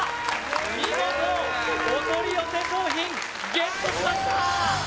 見事お取り寄せ商品ＧＥＴしました！